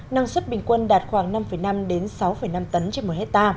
năng suất bình quân đạt khoảng năm năm sáu năm tấn trên một hectare